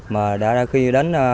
mà đã khi đến lê thị thanh huệ